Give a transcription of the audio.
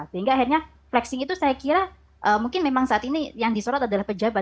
sehingga akhirnya flexing itu saya kira mungkin memang saat ini yang disorot adalah pejabat